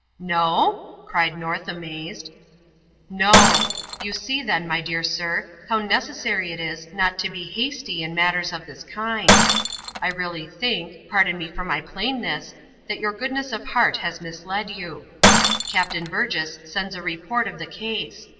"No?" cried North, amazed. "No. You see, then, my dear sir, how necessary it is not to be hasty in matters of this kind. I really think pardon me for my plainness that your goodness of heart has misled you. Captain Burgess sends a report of the case.